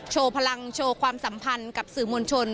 โชว์พลังโชว์ความสัมพันธ์กับสื่อมวลชน